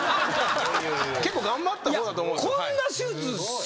結構頑張った方だと思うんですよ。